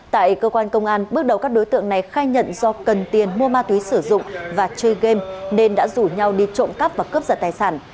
tại cơ quan công an bước đầu các đối tượng này khai nhận do cần tiền mua ma túy sử dụng và chơi game nên đã rủ nhau đi trộm cắp và cướp giật tài sản